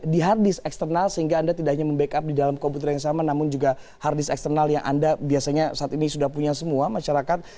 di hard disk eksternal sehingga anda tidak hanya membackup di dalam komputer yang sama namun juga hard disk eksternal yang anda biasanya saat ini sudah punya semua masyarakat